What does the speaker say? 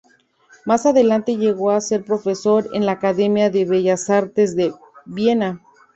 Más adelante llegó a ser profesor en la Academia de Bellas Artes de Viena.